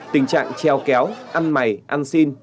tình trạng treo kéo ăn mày ăn xin